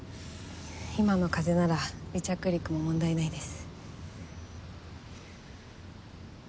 今の風なら離着陸も問題ないです。